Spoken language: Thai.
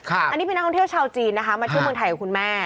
อันนี้เป็นนักท่องเที่ยวชาวจีนนะคะมาเที่ยวเมืองไทยกับคุณแม่